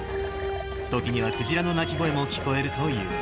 時にはクジラの鳴き声も聞こえるという。